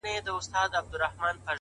هره ورځ د عادتونو د جوړولو وخت دی؛